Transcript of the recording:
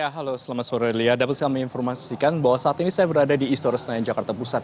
halo selamat sore lia dapat saya menginformasikan bahwa saat ini saya berada di istora senayan jakarta pusat